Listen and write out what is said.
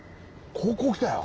高校来たよ。